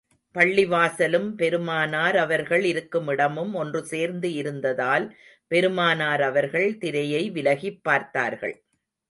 பள்ளிவாசலும், பெருமானார் அவர்கள் இருக்கும் இடமும் ஒன்று சேர்ந்து இருந்ததால், பெருமானார் அவர்கள், திரையை விலகிப் பார்த்தார்கள்.